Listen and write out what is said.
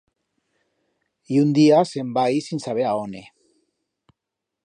Y un día se'n va ir sin saber a óne.